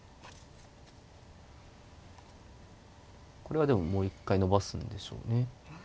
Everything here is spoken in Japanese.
これはでももう一回伸ばすんでしょうね。